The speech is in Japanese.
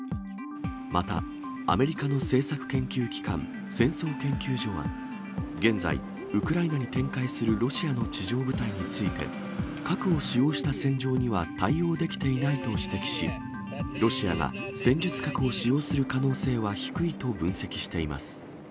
また、アメリカの政策研究機関、戦争研究所は、現在、ウクライナに展開するロシアの地上部隊について、核を使用した戦場には対応できていないと指摘し、ロシアが戦術核を使用する可能性は低いと分析しています。